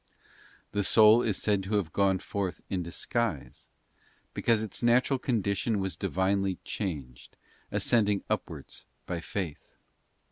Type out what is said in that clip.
The soul is said to have gone forth in disguise, because its natural condition was Divinely changed, ascending upwards by faith.